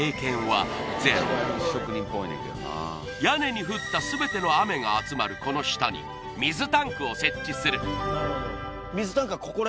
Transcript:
屋根に降ったすべての雨が集まるこの下に水タンクを設置する